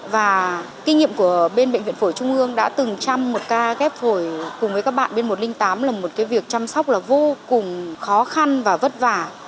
và kinh nghiệm của bên bệnh viện phổi trung ương đã từng trăm một ca ghép phổi cùng với các bạn một trăm linh tám là một cái việc chăm sóc là vô cùng khó khăn và vất vả